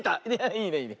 いいねいいね。